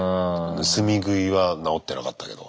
盗み食いは直ってなかったけど。